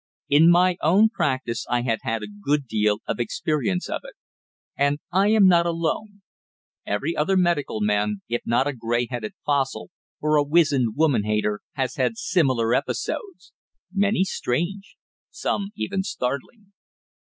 In my own practice I had had a good deal of experience of it. And I am not alone. Every other medical man, if not a grey headed fossil or a wizened woman hater, has had similar episodes; many strange some even startling.